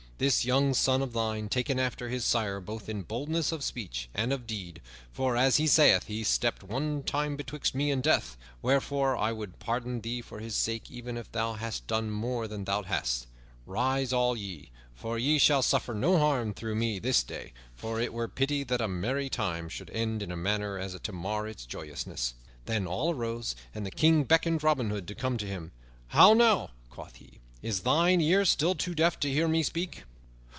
This young son of thine taketh after his sire both in boldness of speech and of deed, for, as he sayeth, he stepped one time betwixt me and death; wherefore I would pardon thee for his sake even if thou hadst done more than thou hast. Rise all of you, for ye shall suffer no harm through me this day, for it were pity that a merry time should end in a manner as to mar its joyousness." Then all arose and the King beckoned Robin Hood to come to him. "How now," quoth he, "is thine ear still too deaf to hear me speak?"